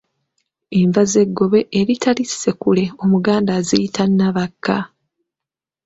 Enva z’eggobe eritali ssekule Omuganda aziyita Nabakka.